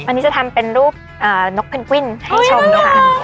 อันนี้จะทำเป็นรูปนกเพนกวินให้ชมค่ะ